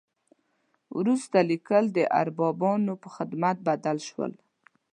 وروسته لیکل د اربابانو په خدمت بدل شول.